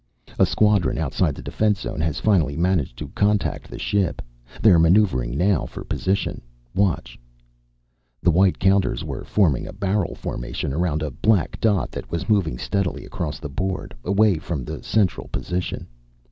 "A squadron outside the defense zone has finally managed to contact the ship. They're maneuvering now, for position. Watch." The white counters were forming a barrel formation around a black dot that was moving steadily across the board, away from the central position.